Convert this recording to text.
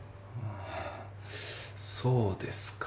あそうですか。